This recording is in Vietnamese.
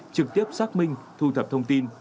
trực tiếp xác minh thu thập thông tin